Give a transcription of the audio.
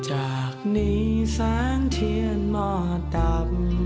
จากนี้แสงเทียนมาต่ำ